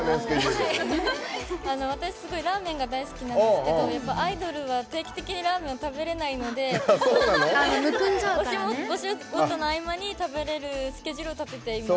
私、すごくラーメンが大好きなんですけどアイドルは定期的にラーメンを食べれないのでお仕事の合間に食べれるスケジュールを立ててます。